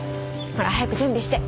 ほら早く準備して。